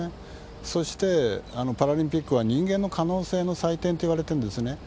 そして、パラリンピックは人間の可能性の祭典といわれてるんですね。